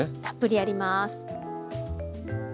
たっぷりやります。